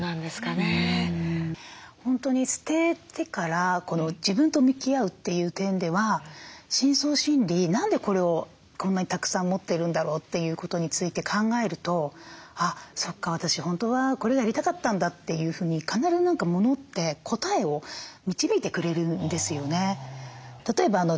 本当に捨ててから自分と向き合うという点では深層心理何でこれをこんなにたくさん持っているんだろうということについて考えると「あっそっか私本当はこれやりたかったんだ」というふうに必ずモノって答えを導いてくれるんですよね。